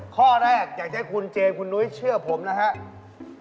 ข้อแรกอยากจะให้คุณเจมสคุณนุ้ยเชื่อผมนะครับ